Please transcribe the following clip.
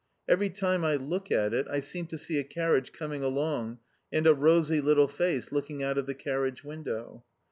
Every time I look at it, I seem to see a carriage coming along and a rosy little face looking out of the carriage window.